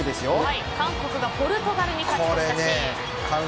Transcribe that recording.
韓国がポルトガルに勝ち越したシーン。